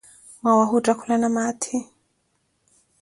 Mwawahi otthakhulana maathi?